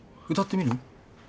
歌ってみる？